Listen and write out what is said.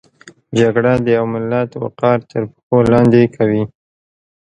جګړه د یو ملت وقار تر پښو لاندې کوي